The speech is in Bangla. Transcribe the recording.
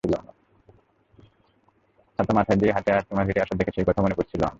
ছাতা মাথায় দিয়ে তোমার হেঁটে আসা দেখে সেই কথা মনে পড়েছিল আমার।